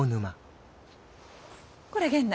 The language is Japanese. これ源内。